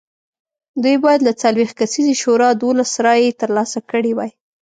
دوی باید له څلوېښت کسیزې شورا دولس رایې ترلاسه کړې وای